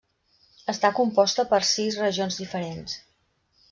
Està composta per sis regions diferents.